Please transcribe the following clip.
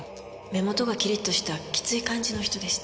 目元がきりっとしたきつい感じの人でした。